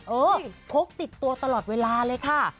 เออพกติดตัวตลอดเวลาเลยค่ะ